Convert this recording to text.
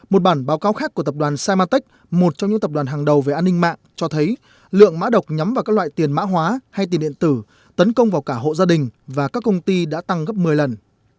một bản báo cáo khác của tập đoàn cymatex một trong những tập đoàn hàng đầu về an ninh mạng cho thấy lượng mã độc nhắm vào các loại tiền mã hóa hay tiền điện tử tấn công vào cả hộ gia đình và các công ty đã tăng gấp một mươi lần